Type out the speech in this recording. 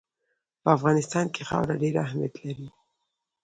په افغانستان کې خاوره ډېر اهمیت لري.